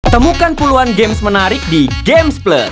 temukan puluhan games menarik di gamesplus